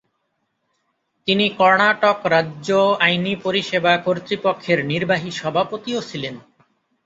তিনি কর্ণাটক রাজ্য আইনি পরিষেবা কর্তৃপক্ষের নির্বাহী সভাপতিও ছিলেন।